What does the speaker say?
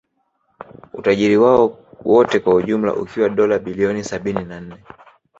Utajiri wao wote kwa ujumla ukiwa dola bilioni sabini na nne